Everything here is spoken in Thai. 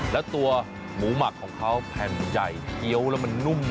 แล้วตัวหมูหมักของเขาแผ่นใหญ่เคี้ยวแล้วมันนุ่ม